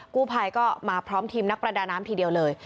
กู้ภัยก็มาพร้อมทีมนักประดาน้ำทีเดียวเลย